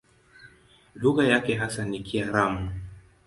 Lugha yake hasa ni Kiaramu.